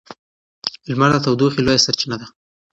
لمر د تودوخې لویه سرچینه ده.